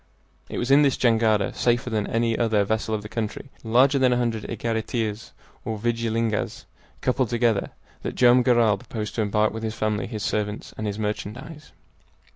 It was in this jangada, safer than any other vessel of the country, larger than a hundred egariteas or vigilingas coupled together, that Joam Garral proposed to embark with his family, his servants, and his merchandise.